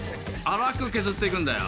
粗く削っていくんだよ。